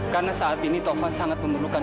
karena saat ini taufan sangat memerlukan